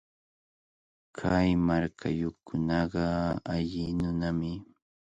Kay markayuqkunaqa alli nunami.